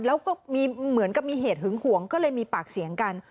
แล้วก็มีเหมือนกับมีเหตุหึงหวงก็เลยมีปากเสียงกัน